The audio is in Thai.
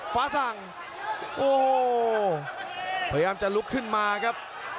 ฟ้าสั่งโอ้โหพยายามจะลุกขึ้นมาครับ